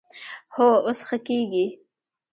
هو، اوس ښه کیږي